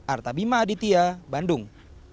artabima aditya bandung